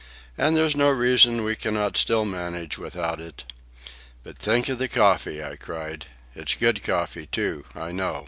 "And there's no reason why we cannot still manage without it." "But think of the coffee!" I cried. "It's good coffee, too, I know.